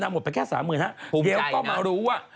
นางหมดแค่๓หมื่น๕เดี๋ยวก็มารู้ว่า